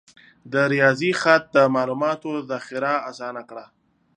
د ریاضي خط د معلوماتو ذخیره آسانه کړه.